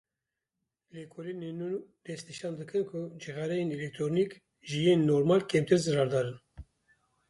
Lêkolînên nû destnîşan dikin ku cixareyên elektronîk ji yên normal kêmtir zirardar in.